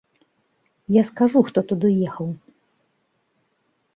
Я скажу, хто туды ехаў.